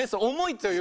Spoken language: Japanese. という